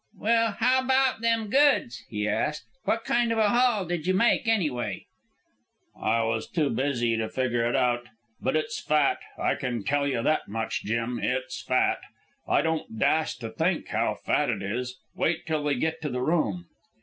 "Well, how about them goods?" he asked. "What kind of a haul did you make, anyway?" "I was too busy to figger it out, but it's fat. I can tell you that much, Jim, it's fat. I don't dast to think how fat it is. Wait till we get to the room."